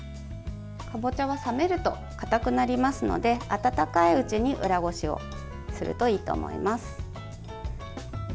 かぼちゃは冷めるとかたくなりますので温かいうちに裏ごしをするといいと思います。